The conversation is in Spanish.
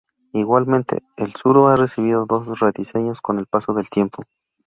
Igualmente, el Tsuru ha recibido dos rediseños con el paso del tiempo.